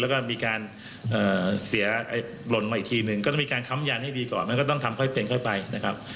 แล้วมันก็จะต้องจะอยู่ตรงกลางกลาง